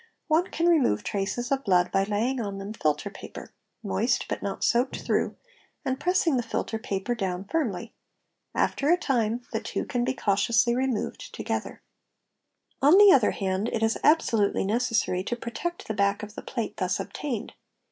one can remove traces of blood by laying on" : them filter paper, moist but not soaked through, and pressing the filter paper down firmly. After a time the two can be cautiously removed | together. DETACHING OF BLOOD 573 On the other hand it is absolutely necessary to protect the back of the plate thus obtained.